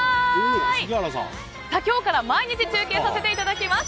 今日から毎日中継させていただきます。